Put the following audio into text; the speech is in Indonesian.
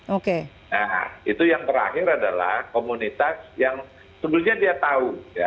nah itu yang terakhir adalah komunitas yang sebelumnya dia tahu